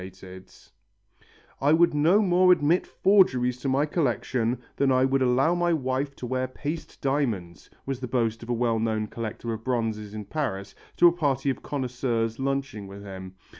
] "I would no more admit forgeries to my collection than I would allow my wife to wear paste diamonds," was the boast of a well known collector of bronzes in Paris to a party of connoisseurs lunching with him.